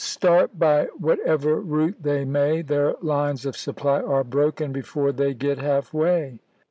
Start by whatever route they may, their lines of supply are broken before they get half way.